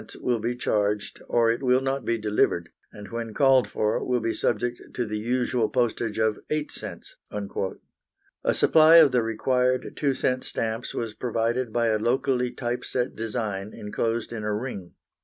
will be charged, or it will not be delivered, and when called for will be subject to the usual postage of 8 c." A supply of the required 2 c. stamps was provided by a locally type set design enclosed in a ring.